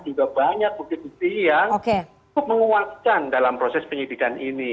juga banyak bukti bukti yang cukup menguatkan dalam proses penyidikan ini